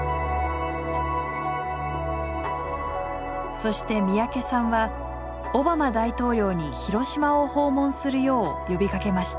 そして三宅さんはオバマ大統領に広島を訪問するよう呼びかけました。